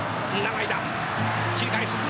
切り返す。